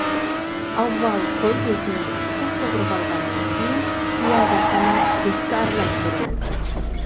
ئاۋۋال قوي گۆشىنى ئۇششاق توغرىۋالغاندىن كېيىن، پىيازنى چاناپ گۆشكە ئارىلاشتۇرىمىز.